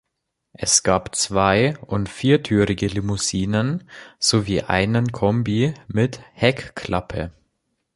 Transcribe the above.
Es gab zwei- und viertürige Limousinen sowie einen Kombi mit Heckklappe.